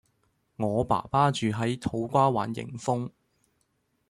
我爸爸住喺土瓜灣迎豐